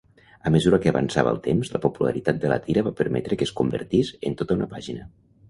A mesura que avançava el temps, la popularitat de la tira va permetre que es convertís en tota una pàgina.